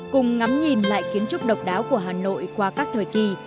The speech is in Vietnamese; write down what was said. cùng ngắm nhìn lại kiến trúc độc đáo của hà nội qua các thời kỳ